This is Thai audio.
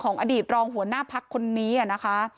อดีตรองหัวหน้าพักคนนี้นะคะ